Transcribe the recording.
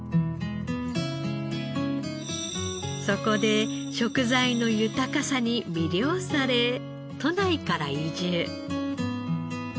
そこで食材の豊かさに魅了され都内から移住。